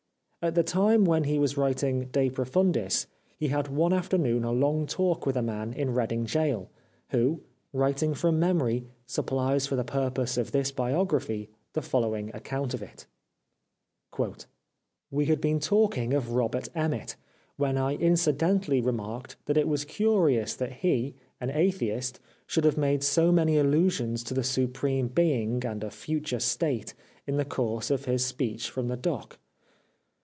At the time when he was writing " De Profundis " he had one after noon a long talk with a man in Reading Gaol, who, writing from memory, supplies for the purpose of this biography the following account of it :—" We had been talking of Robert Emmet, when I incidentally remarked that it was curious that he an atheist should have made so many allusions to the Supreme Being and a future state in the course of his speech from the dock.